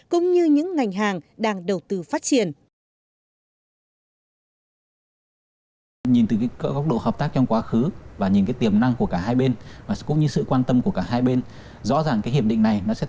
cũng như những ngành hàng đang đầu tư phát triển